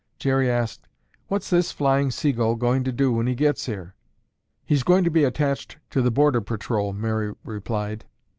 Jerry asked, "What's this flying seagull going to do when he gets here?" "He's going to be attached to the border patrol," Mary replied.